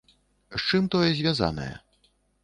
З чым тое звязанае?